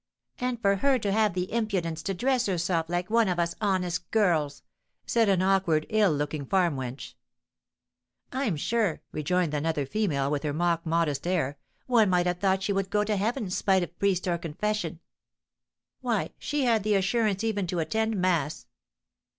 "And for her to have the impudence to dress herself like one of us honest girls!" said an awkward, ill looking farm wench. "I'm sure," rejoined another female, with her mock modest air, "one might have thought she would go to heaven, spite of priest or confession!" "Why, she had the assurance even to attend mass!"